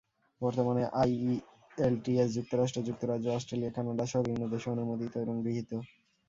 বর্তমানে আইইএলটিএস যুক্তরাষ্ট্র, যুক্তরাজ্য, অস্ট্রেলিয়া, কানাডাসহ বিভিন্ন দেশে অনুমোদিত এবং গৃহীত।